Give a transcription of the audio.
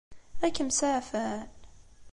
Ad kem-saɛfen?